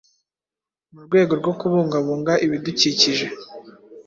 Mu rwego rwo kubungabunga ibidukikije